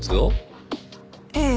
ええ。